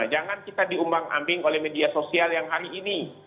jangan kita diumbang ambing oleh media sosial yang hari ini